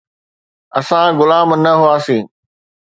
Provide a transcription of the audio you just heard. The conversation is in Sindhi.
اسان غلام نه هئاسين.